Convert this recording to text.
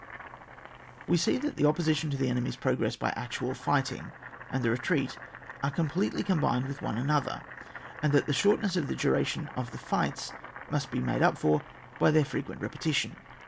We see that the opposition to the enemy's progress by actual fighting and the retreat are completely combined with one another, and that the shortness of the duration of the fights must be made up for by their frequent repetition.